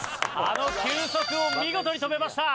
あの球速を見事に止めました。